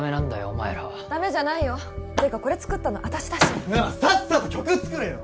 お前らはダメじゃないよていうかこれ作ったの私だしならさっさと曲作れよ！